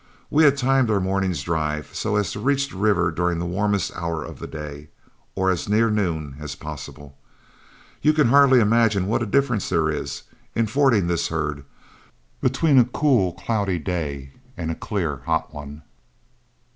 We have timed our morning's drive so as to reach the river during the warmest hour of the day, or as near noon as possible. You can hardly imagine what a difference there is, in fording this herd, between a cool, cloudy day and a clear, hot one.